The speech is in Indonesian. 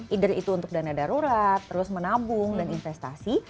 either itu untuk dana darurat terus menabung dan investasi